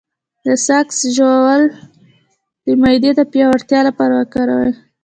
د سقز ژوول د معدې د پیاوړتیا لپاره وکاروئ